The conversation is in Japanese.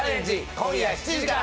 今夜７時から。